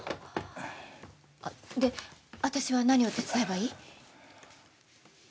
あっで私は何を手伝えばいい？